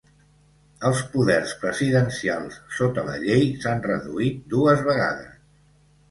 Els poders presidencials sota la llei s'han reduït dues vegades.